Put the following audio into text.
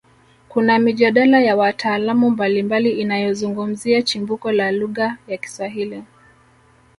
Kuna mijadala ya wataalamu mbalimbali inayozungumzia chimbuko la lugha ya Kiswahili